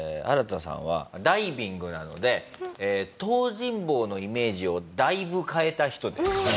アラタさんはダイビングなので東尋坊のイメージをだいぶ変えた人です。